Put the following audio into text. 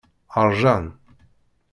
Ṛjan.